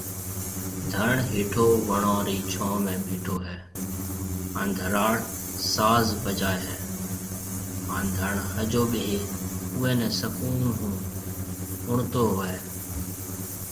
ڌڻ هيٺو وڻون رِي ڇون ۾ ٻيٺو هي هان ڌراڙ ساز بجاوي هي هان ڌڻ ۿجو ٻيۿي اوئي ني سُڪون ۿوڻ ۿڻتو هوئي